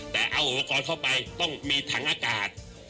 แต่เอาอุปกรณ์เข้าไปต้องมีถังอากาศ